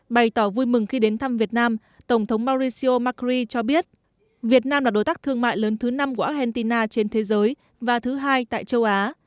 bày tỏ vui mừng khi đến thăm việt nam tổng thống mauricio macri cho biết việt nam là đối tác thương mại lớn thứ năm của argentina trên thế giới và thứ hai tại châu á